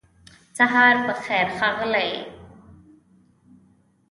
سهار پخير ښاغلی دی سهار چای خوری